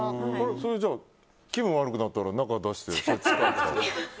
それじゃあ気分が悪くなったら中を出して。